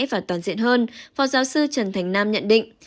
và toàn diện hơn phó giáo sư trần thành nam nhận định